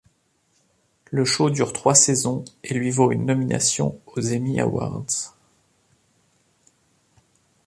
Le show dure trois saisons et lui vaut une nomination aux Emmy Awards.